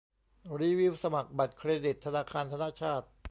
รีวิวสมัครบัตรเครดิตธนาคารธนชาต